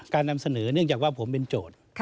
นำเสนอเนื่องจากว่าผมเป็นโจทย์